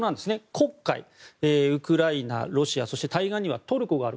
黒海、そしてウクライナ、ロシアそして対岸にはトルコがある。